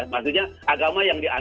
maksudnya agama yang dianggap